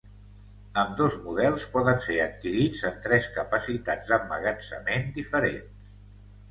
Ambdós models poden ser adquirits en tres capacitats d'emmagatzemament diferents.